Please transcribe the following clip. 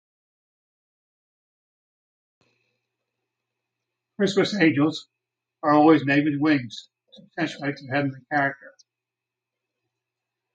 Christmas angels are always made with wings to accentuate their heavenly character.